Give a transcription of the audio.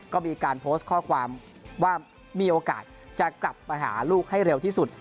ก็มีการโพสต์ข้อความว่ามีโอกาสจะกลับมาหาลูกให้เร็วที่สุด